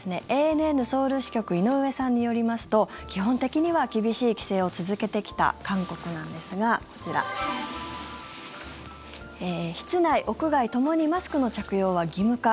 ＡＮＮソウル支局井上さんによりますと基本的には厳しい規制を続けてきた韓国なんですが室内、屋外ともにマスクの着用は義務化。